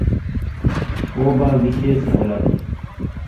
وہ با گشے سہولت؟